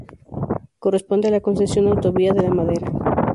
Corresponde a la Concesión Autovía de la Madera.